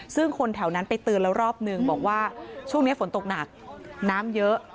ซึ่งคนแถวนั้นไปเตือนแล้วรอบนึงบอกว่าช่วงนี้ฝนตกหนักน้ำเยอะ